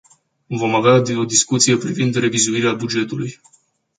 Vom avea o discuție privind revizuirea bugetului.